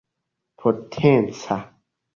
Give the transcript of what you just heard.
potenca